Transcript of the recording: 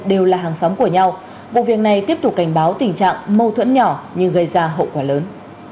đều là hàng xóm của nhau vụ việc này tiếp tục cảnh báo tình trạng mâu thuẫn nhỏ nhưng gây ra hậu quả lớn